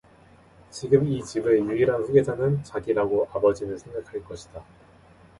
지금 이 집의 유일한 후계자는 자기라고 아버지는 생각할 것이다.